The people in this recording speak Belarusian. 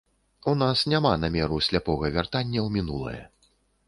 У нас няма намеру сляпога вяртання ў мінулае.